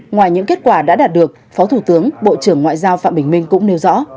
ngoài những kết quả đã đạt được phó thủ tướng bộ trưởng ngoại giao phạm bình minh cũng nêu rõ